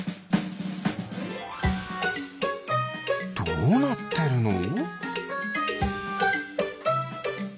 どうなってるの？